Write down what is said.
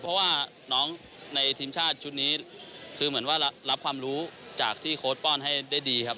เพราะว่าน้องในทีมชาติชุดนี้คือเหมือนว่ารับความรู้จากที่โค้ดป้อนให้ได้ดีครับ